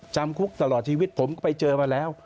จำคุกตลอดชีวิตผมก็ไปเจอมาแล้ว